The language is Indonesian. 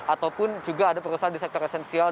ataupun juga ada perusahaan di sektor esensial